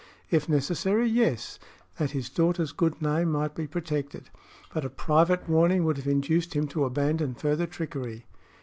"If necessary, yes, that his daughter's good name might be protected. But a private warning would have induced him to abandon further trickery."